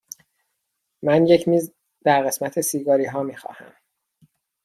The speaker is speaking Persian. من یک میز در قسمت سیگاری ها می خواهم.